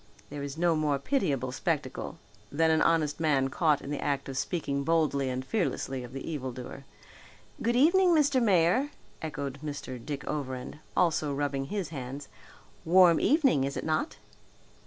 There is no more pitiable spectacle than an honest man caught in the act of speaking boldly and fearlessly of the evil doer. "Good evening, Mr. Mayor," echoed Mr. Dick Overend, also rubbing his hands; "warm evening, is it not?"